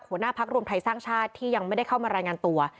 หัวหน้าพักรวมไทยสร้างชาติที่ยังไม่ได้เข้ามารายงานตัว